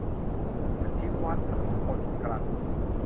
อธิวัตร ถนอมพลกรัง